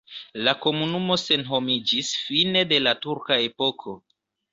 La komunumo senhomiĝis fine de la turka epoko.